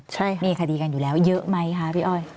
ใช่ค่ะมีคดีกันอยู่แล้วเยอะไหมคะพี่อ้อย